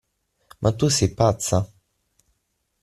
Ma tu sei pazza?